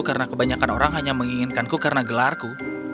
karena kebanyakan orang hanya menginginkanku karena gelarku